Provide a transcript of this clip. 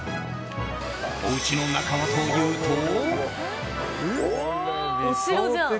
おうちの中はというと。